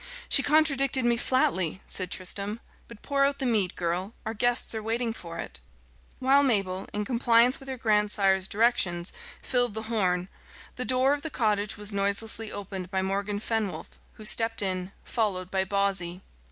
"She contradicted me flatly," said Tristram. "But pour out the mead, girl; our guests are waiting for it." While Mabel, in compliance with her grandsire's directions, filled the horn, the door of the cottage was noiselessly opened by Morgan Fenwolf, who stepped in, followed by Bawsey.